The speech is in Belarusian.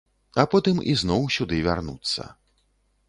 А потым ізноў сюды вярнуцца.